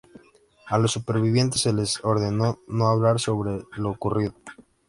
A los supervivientes se les ordenó no hablar sobre lo ocurrido.